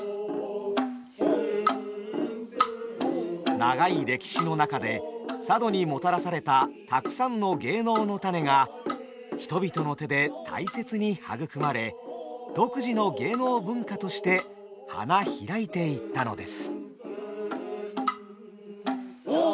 長い歴史の中で佐渡にもたらされたたくさんの芸能の種が人々の手で大切に育まれ独自の芸能文化として花開いていったのです。